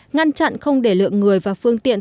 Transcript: ngăn chặn không để lượng người và phương tiện